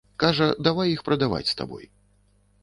Кажа, давай іх прадаваць з табой.